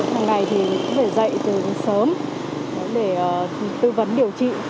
hàng ngày thì phải dạy từ sớm để tư vấn điều trị